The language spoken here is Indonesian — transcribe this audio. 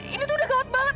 ini tuh udah gawat banget